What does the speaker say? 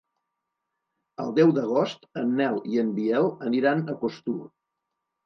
El deu d'agost en Nel i en Biel aniran a Costur.